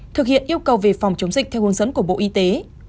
thực hiện yêu cầu về phòng chống dịch theo hướng dẫn của bộ y tế